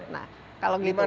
nah kalau gitu